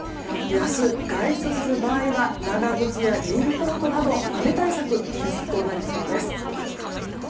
明日、外出する場合は長靴やレインコートなど雨対策が必須となりそうです。